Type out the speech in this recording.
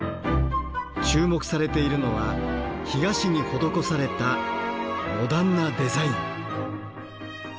注目されているのは干菓子に施されたモダンなデザイン。